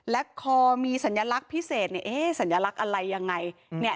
และคอมีสัญลักษณ์พิเศษเนี่ยเอ๊ะสัญลักษณ์อะไรยังไงเนี่ย